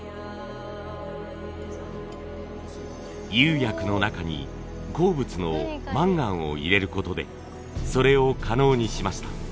釉薬の中に鉱物のマンガンを入れることでそれを可能にしました。